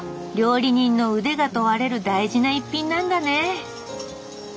料理人の腕が問われる大事な一品なんだね。